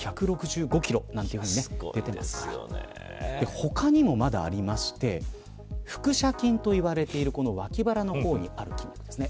他にもまだありまして腹斜筋と言われている脇腹の方にある筋肉ですね。